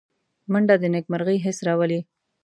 منډه د نېکمرغۍ حس راولي